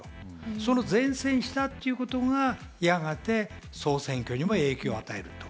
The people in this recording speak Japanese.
その善戦したっていうことがやがて総選挙にも影響を与える。